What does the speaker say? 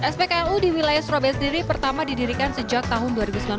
spklu di wilayah surabaya sendiri pertama didirikan sejak tahun dua ribu sembilan belas